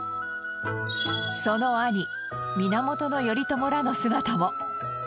その兄源頼朝らの姿も。